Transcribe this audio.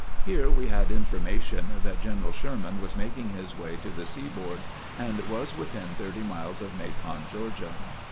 Here we had information that General Sherman was making his way to the seaboard and was within thirty miles of Macon, Georgia.